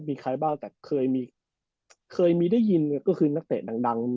มีใครบ้างแต่เคยมีเคยมีได้ยินก็คือนักเตะดัง